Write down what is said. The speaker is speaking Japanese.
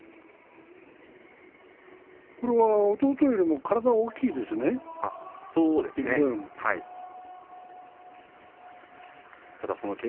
これは弟よりも体が大きいですね、いくぶん。